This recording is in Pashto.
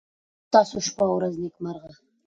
ستاسو شپه او ورځ نېکمرغه.